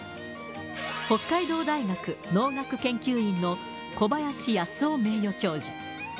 北海道大学農学研究員の小林泰男名誉教授。